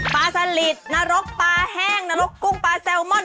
ปลาสลิดนรกปลาแห้งนรกกุ้งปลาแซลมอน